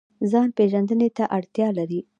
ځان پیژندنې ته اړتیا لري